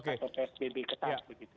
atau psbb ketangguh begitu